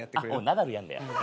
ナダルやんねや。